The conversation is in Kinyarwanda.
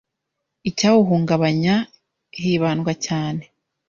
icyawuhungabanya hibandwa cyane